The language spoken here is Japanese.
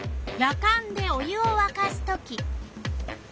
やかんでお湯をわかすとき。